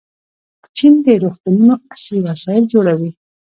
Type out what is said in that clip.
چین د روغتونونو عصري وسایل جوړوي.